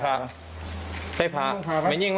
เหมือนจะยิ่งบุรกฎาไทยกันเค้าคิดถึงนะ